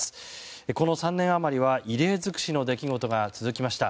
この３年あまりに異例尽くしの出来事が続きました。